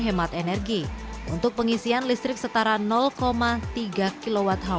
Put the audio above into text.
hemat energi untuk pengisian listrik yang sudah dihasilkan oleh bbm dan juga listrik yang dihasilkan oleh bbm